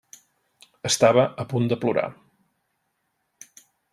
Estava a punt de plorar.